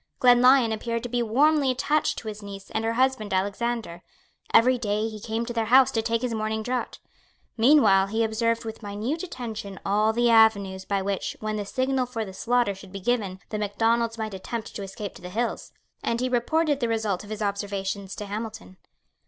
Glenlyon appeared to be warmly attached to his niece and her husband Alexander. Every day he came to their house to take his morning draught. Meanwhile he observed with minute attention all the avenues by which, when the signal for the slaughter should be given, the Macdonalds might attempt to escape to the hills; and he reported the result of his observations to Hamilton.